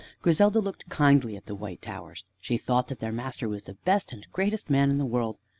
Griselda looked kindly at the white towers. She thought that their master was the best and greatest man in the world.